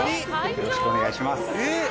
よろしくお願いします」